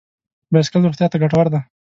بایسکل روغتیا ته ګټور دی.